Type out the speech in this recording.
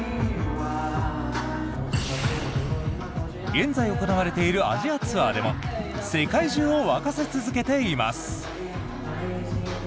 現在行われているアジアツアーでも世界中を沸かせ続けています。